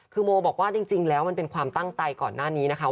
คือโมบอกว่าจริงแล้วมันเป็นความตั้งใจก่อนหน้านี้นะคะ